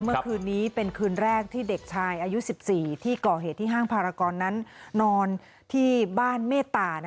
เมื่อคืนนี้เป็นคืนแรกที่เด็กชายอายุ๑๔ที่ก่อเหตุที่ห้างพารากรนั้นนอนที่บ้านเมตตา